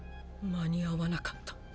間に合わなかった。